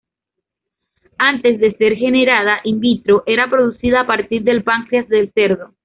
Antes de ser generada in vitro era producida a partir del páncreas del cerdo.